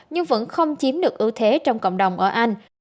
nhưng vẫn không chiếm được tổng số trường hợp mắc của omicron